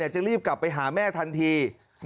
จะรีบกลับไปหาแม่ทันที